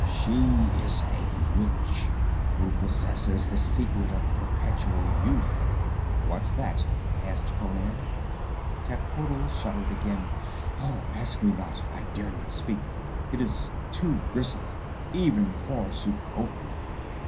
She is a witch, who possesses the secret of perpetual youth." "What's that?" asked Conan. Techotl shuddered again. "Ask me not! I dare not speak. It is too grisly, even for Xuchotl!"